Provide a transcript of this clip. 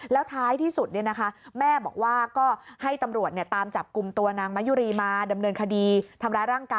แล้วท้ายที่สุดแม่บอกว่า